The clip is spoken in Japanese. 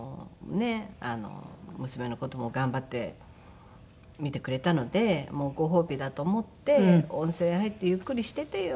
娘の事も頑張って見てくれたのでご褒美だと思って「温泉入ってゆっくりしててよ」って。